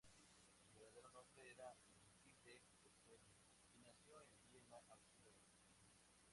Su verdadero nombre era Hilde Ester, y nació en Viena, Austria.